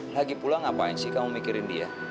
lagi pulang ngapain sih kamu mikirin dia